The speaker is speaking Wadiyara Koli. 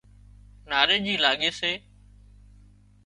ناريڄي لاڳي سي